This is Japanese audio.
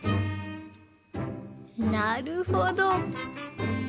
なるほど。